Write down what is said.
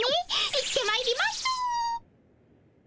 行ってまいります！